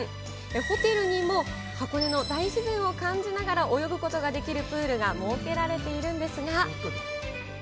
ホテルにも箱根の大自然を感じながら泳ぐことができるプールが設けられているんですが。